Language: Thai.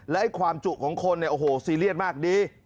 และความจุของคนเนี่ยโอ้โหซีเรียสมากดี